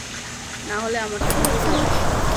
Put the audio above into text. নাহলে আমারটা ভিজে যাবে।